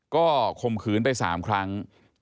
ก็ข่มขืนไป๓ครั้ง